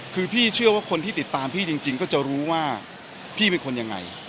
คือพี่เชื่อว่าคนที่ติดตามพี่จริงก็จะรู้ว่าพี่เป็นคนยังไง